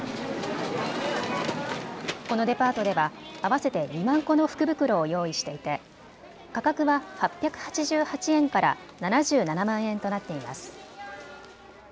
このデパートでは合わせて２万個の福袋を用意していて価格は８８８円から７７万円となっています。